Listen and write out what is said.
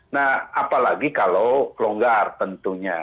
nah apalagi kalau longgar tentunya